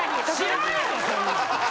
知らんやろそんなん！